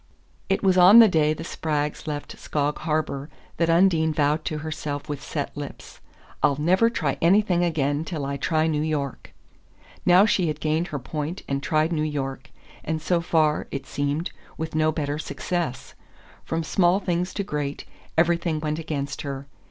It was on the day the Spraggs left Skog Harbour that Undine vowed to herself with set lips: "I'll never try anything again till I try New York." Now she had gained her point and tried New York, and so far, it seemed, with no better success. From small things to great, everything went against her.